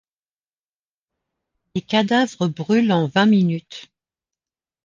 Les cadavres brûlent en vingt minutes.